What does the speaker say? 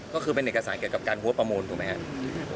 ก็คือเป็นเอกสารเกี่ยวกับการหัวประมูลถูกไหมครับ